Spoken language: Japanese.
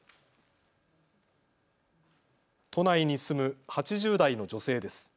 都内に住む８０代の女性です。